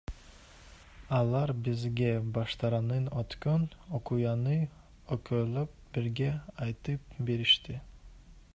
Алар бизге баштарынан өткөн окуяны экөөлөп бирге айтып беришти.